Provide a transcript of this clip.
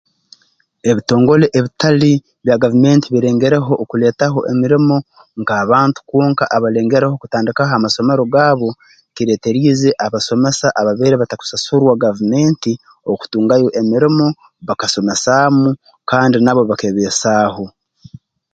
Ebitongole ebitali bya gavumenti birengereho okuleetaho emirimo nk'abantu kwonka abalengereho kutandikaho amasomero gaabo kireeterize abasomesa ababaire batakusasurwa gavumenti okutungayo emirimo bakasomesaamu kandi nabo bakeebesaaho